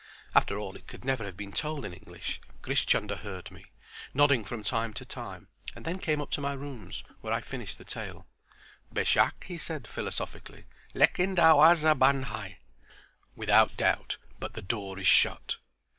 After all it could never have been told in English. Grish Chunder heard me, nodding from time to time, and then came up to my rooms where I finished the tale. "Beshak," he said, philosophically. "Lekin darwaza band hai. (Without doubt, but the door is shut.)